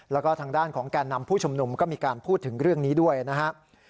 แล้วก็ทางด้านของแก่นำผู้ชุมนุมก็มีการพูดถึงเรื่องนี้ด้วยนะครับ